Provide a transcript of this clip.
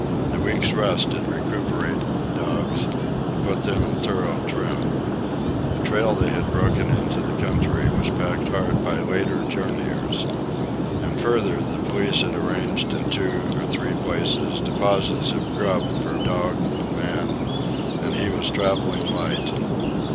The week's rest had recuperated the dogs and put them in thorough trim. The trail they had broken into the country was packed hard by later journeyers. And further, the police had arranged in two or three places deposits of grub for dog and man, and he was travelling light.